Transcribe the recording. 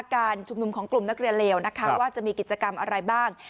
การชุมนุมของกลุ่มนักเรียนเลวนะคะว่าจะมีกิจกรรมอะไรบ้าง